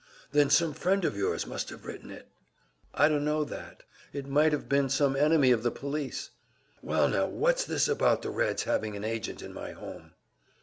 "Then some friend of yours must have written it." "I dunno that. It might have been some enemy of the police." "Well, now, what's this about the Reds having an agent in my home?"